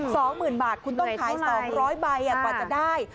สองหมื่นบาทคุณต้องขาย๒๐๐ใบกว่าจะได้